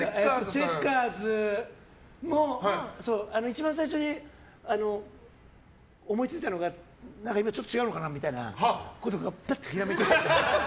チェッカーズの一番最初に思いついたのが今ちょっと違うのかなみたいなぱっとひらめいちゃって。